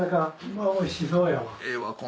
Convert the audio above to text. おいしそうやわ。